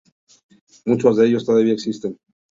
Muchos de ellos todavía existen.